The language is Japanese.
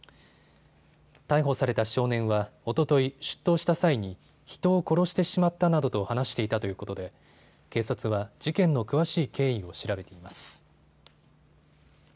逮捕された少年はおととい、出頭した際に人を殺してしまったなどと話していたということで警察は事件の詳しい経緯を調べています。